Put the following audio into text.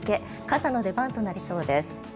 傘の出番となりそうです。